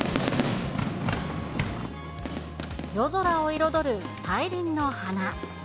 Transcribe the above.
夜空を彩る大輪の花。